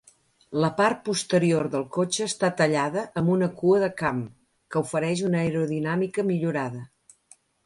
La part posterior del cotxe està "tallada" amb una "cua de Kamm" que ofereix una aerodinàmica millorada.